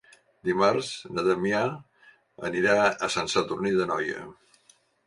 Dimarts na Damià anirà a Sant Sadurní d'Anoia.